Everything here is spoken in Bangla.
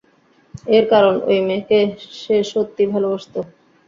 এর কারণ ওই মেয়েকে সে সত্যিই ভালোবাসতো।